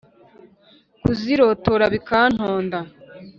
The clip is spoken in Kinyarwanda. kuzirotora bikantonda